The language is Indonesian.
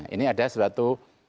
ini ada suatu